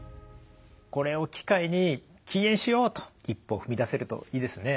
これを機会に禁煙しよう！と一歩踏み出せるといいですね。